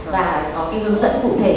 và có cái hướng dẫn cụ thể